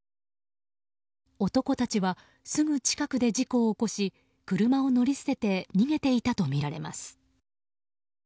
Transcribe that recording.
男たちはすぐ近くで事故を起こし車を乗り捨てて逃げていたとみられます。